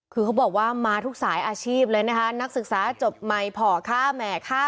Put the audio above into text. คือเขาบอกว่ามาทุกสายอาชีพเลยนะคะนักศึกษาจบใหม่ผ่อฆ่าแหม่ฆ่า